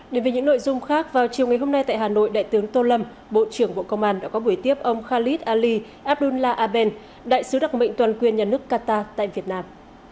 để vì những nội dung khác vào chiều ngày hôm nay tại hà nội đại tướng tô lâm bộ trưởng bộ công an đã có buổi tiếp ông khalid ali abdullah aben đại sứ đặc mệnh toàn quyền nhà nước qatar tại việt nam